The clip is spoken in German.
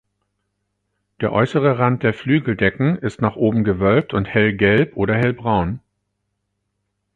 Der äußere Rand der Flügeldecken ist nach oben gewölbt und hellgelb oder hellbraun.